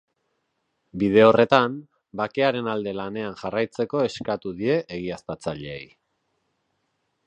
Bide horretan, bakearen alde lanean jarraitzeko eskatu die egiaztatzaileei.